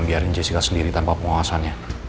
biarin jessica sendiri tanpa pengawasannya